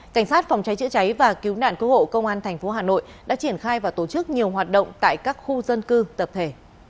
cảnh sát phòng cháy chữa cháy và cứu nạn cứu hộ công an tp hà nội đã triển khai và tổ chức nhiều hoạt động tại các khu dân cư tập thể